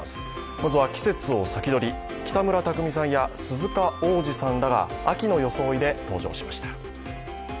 まずは季節を先取り、北村匠海さんや鈴鹿央士さんらが秋の装いで登場しました。